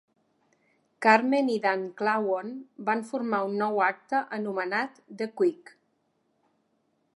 Carmen i Dann Klawon van formar un nou acte anomenat The Quick.